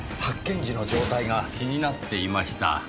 発見時の状態が気になっていました。